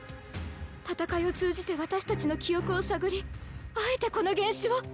戦いを通じて私たちの記憶を探りあえてこの原種を？